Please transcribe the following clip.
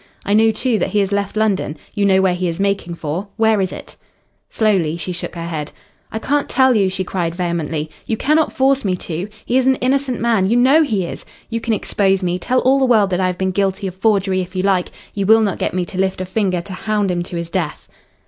"I know too that he has left London. You know where he is making for. Where is it?" Slowly she shook her head. "I can't tell you," she cried vehemently. "You cannot force me to. He is an innocent man. You know he is. You can expose me tell all the world that I have been guilty of forgery if you like you will not get me to lift a finger to hound him to his death."